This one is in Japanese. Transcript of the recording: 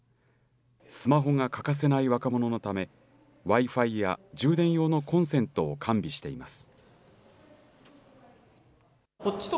スマホが欠かせない若者のためＷｉ‐Ｆｉや充電用のコンセントを完備しています。